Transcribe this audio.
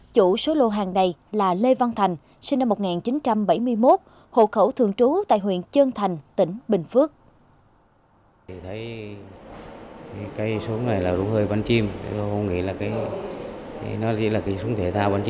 chủ số lô hàng này là lê văn thành sinh năm một nghìn chín trăm bảy mươi một hộ khẩu thường trú tại huyện trân thành tỉnh bình phước